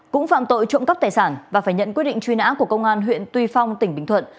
cũng phạm tội trộm cắp tài sản và phải nhận quyết định truy nã của công an huyện tuy phong tỉnh bình thuận